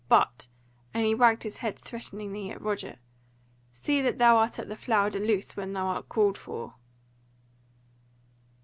But," (and he wagged his head threateningly at Roger) "see that thou art at the Flower de Luce when thou art called for."